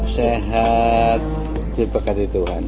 sehat terima kasih tuhan